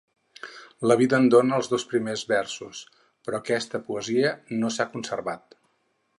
La vida en dóna els dos primers versos, però aquesta poesia no s'ha conservat.